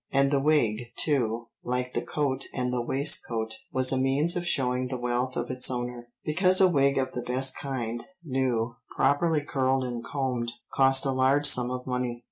And the wig, too, like the coat and the waistcoat, was a means of showing the wealth of its owner, because a wig of the best kind, new, properly curled and combed, cost a large sum of money.